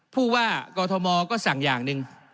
ผู้ว่ากอทมก็สั่งอย่างหนึ่ง